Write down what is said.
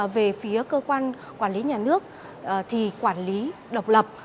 về phía cơ quan quản lý nhà nước thì quản lý độc lập